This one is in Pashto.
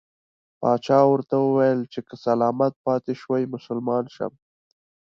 پاچا ورته وویل چې که سلامت پاته شوې مسلمان شم.